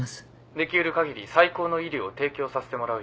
☎できうる限り最高の医療を提供させてもらうよ。